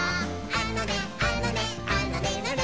「あのねあのねあのねのね」